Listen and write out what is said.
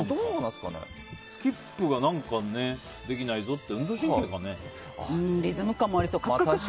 スキップが何かできないぞってリズム感もありそう。